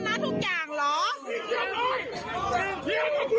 ไม่รู้แล้วมาเป็นไง